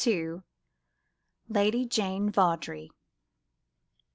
Lady Jane Vawdrey.